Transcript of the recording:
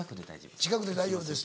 近くで大丈夫です。